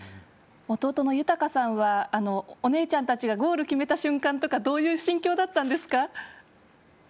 弟の勇大可さんはお姉ちゃんたちはゴールを決めた瞬間とかどういう心境だったんですか？